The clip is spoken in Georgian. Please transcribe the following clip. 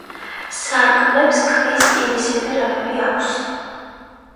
სარკმლებს ქვის კიბისებრი რაფები აქვს.